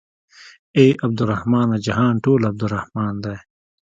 اې عبدالرحمنه جهان ټول عبدالرحمن دى.